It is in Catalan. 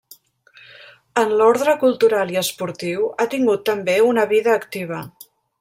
En l'ordre cultural i esportiu ha tingut també una vida activa.